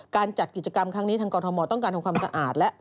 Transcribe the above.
จัดกิจกรรมครั้งนี้ทางกรทมต้องการทำความสะอาดแล้ว